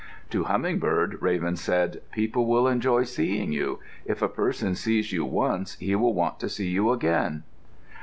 To Humming bird Raven said, "People will enjoy seeing you. If a person sees you once, he will want to see you again."